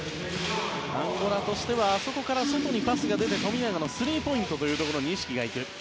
アンゴラとしてはあそこから外にパスが出て富永のスリーポイントに意識が行く。